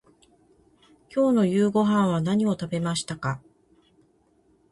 今日の夕ごはんは何を食べましたか。